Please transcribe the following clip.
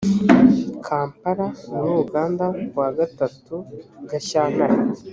kampala muri uganda ku wa gatatu gashyantare